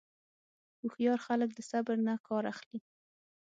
هوښیار خلک د صبر نه کار اخلي.